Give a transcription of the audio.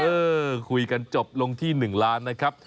เออคุยกันจบลงที่๑ล้านนะครับ